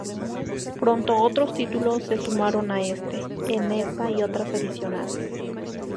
Pronto otros títulos se sumaron a este, en esa y otras editoriales.